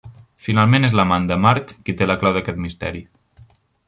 Finalment és l'amant de Marc qui té la clau d'aquest misteri.